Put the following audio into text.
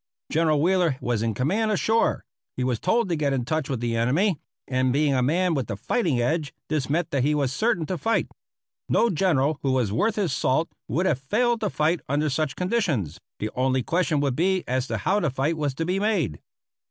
General Wheeler was in command ashore; he was told to get in touch with the enemy, and, being a man with the "fighting edge," this meant that he was certain to fight. No general who was worth his salt would have failed to fight under such conditions; the only question would be as to how the fight was to be made.